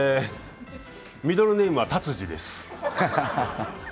ミドルネームは達治です。